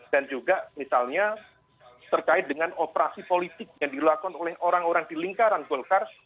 dan juga misalnya terkait dengan operasi politik yang dilakukan oleh orang orang di lingkaran golkar